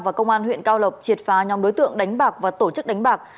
và công an huyện cao lộc triệt phá nhóm đối tượng đánh bạc và tổ chức đánh bạc